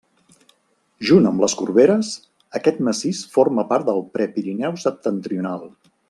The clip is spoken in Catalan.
Junt amb les Corberes aquest massís forma part del Prepirineu septentrional.